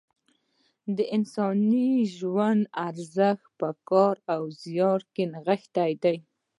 د انساني ژوند ارزښت په کار او زیار کې نغښتی دی.